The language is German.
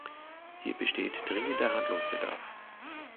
Hier besteht dringender Handlungsbedarf.